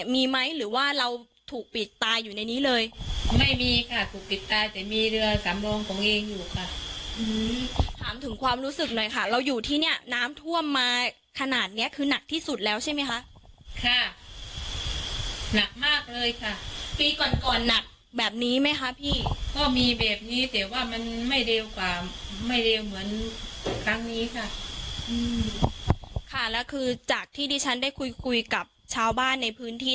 มีไหมหรือว่าเราถูกปิดตายอยู่ในนี้เลยไม่มีค่ะถูกปิดตายแต่มีเรือสำรองของเองอยู่ค่ะถามถึงความรู้สึกหน่อยค่ะเราอยู่ที่เนี้ยน้ำท่วมมาขนาดเนี้ยคือหนักที่สุดแล้วใช่ไหมคะค่ะหนักมากเลยค่ะปีก่อนก่อนหนักแบบนี้ไหมคะพี่ก็มีแบบนี้แต่ว่ามันไม่เร็วกว่าไม่เร็วเหมือนครั้งนี้ค่ะอืมค่ะแล้วคือจากที่ดิฉันได้คุยคุยกับชาวบ้านในพื้นที่